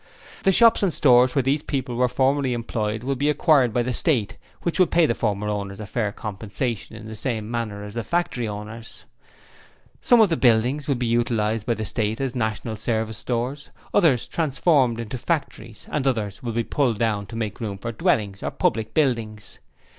The shops and stores where these people were formerly employed will be acquired by the State, which will pay the former owners fair compensation in the same manner as to the factory owners. Some of the buildings will be utilized by the State as National Service Stores, others transformed into factories and others will be pulled down to make room for dwellings, or public buildings...